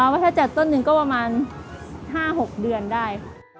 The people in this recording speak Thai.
ว่าถ้าจัดต้นหนึ่งก็ประมาณ๕๖เดือนได้ค่ะ